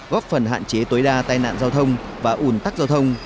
góp phần hạn chế tối đa tai nạn giao thông và ủn tắc giao thông